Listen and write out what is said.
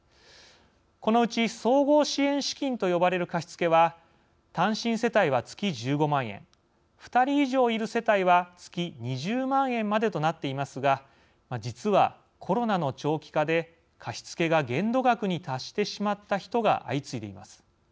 このうち総合支援資金と呼ばれる貸付は単身世帯は月１５万円２人以上いる世帯は月２０万円までとなっていますが実はコロナの長期化で貸付が限度額に達してしまった人が相次いでいます。